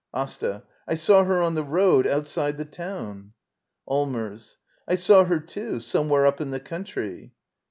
AsTA. I saw her on the road, outside the town. Allmers. I saw her, too, somewhere up in the country.